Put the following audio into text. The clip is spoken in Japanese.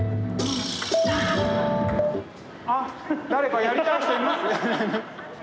あっ誰かやりたい人います？